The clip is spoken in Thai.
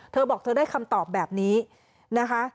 เธอบอกเธอได้คำตอบแบบนี้นะคะ